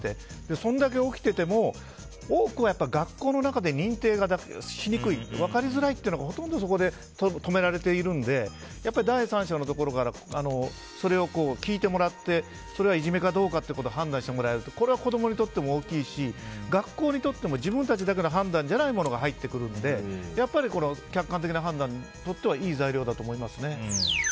そんだけ起きていても多くは学校の中で認定がしにくい分かりづらいというのでほとんどそこで止められているのでやっぱり第三者のところからそれを聞いてもらってそれがいじめかどうかということを判断してもらえるとこれは子供にとっても大きいし学校にとっても自分たちだけじゃない判断が入ってくるのでやっぱり客観的な判断にとってはいい材料だと思いますね。